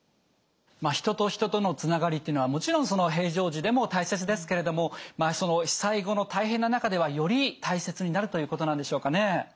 人と人とのつながりっていうのはもちろん平常時でも大切ですけれども被災後の大変な中ではより大切になるということなんでしょうかね。